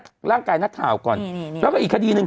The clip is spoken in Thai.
กรมป้องกันแล้วก็บรรเทาสาธารณภัยนะคะ